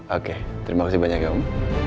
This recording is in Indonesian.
oke terima kasih banyak ya om